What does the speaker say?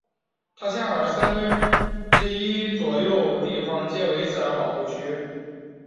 特塞尔三分之一左右地方皆为自然保护区。